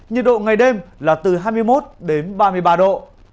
nhiệt độ ngày đêm là từ hai mươi một đến ba mươi ba độ